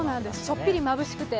ちょっぴりまぶしくて。